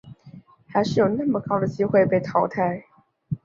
还有那么高的机会被淘汰